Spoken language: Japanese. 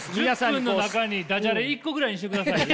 １０分の中にダジャレ一個ぐらいにしてくださいよ。